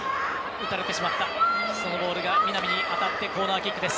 打たれてしまったそのボールが南に当たってコーナーキックです。